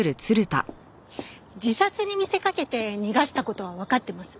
自殺に見せかけて逃がした事はわかってます。